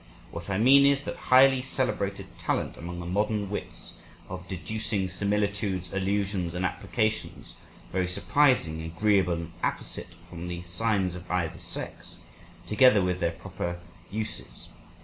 What I mean is, that highly celebrated talent among the modern wits of deducing similitudes, allusions, and applications, very surprising, agreeable, and apposite, from the signs of either sex, together with their proper uses.